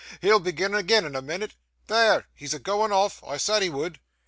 He'll begin again in a minute. There—he's a goin' off—I said he would!